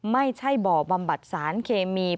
ไม่ใช่บ่อบำบัดสารเคมี